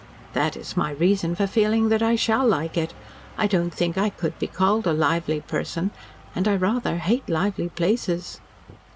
"That is my reason for feeling that I shall like it. I don't think I could be called a lively person, and I rather hate lively places."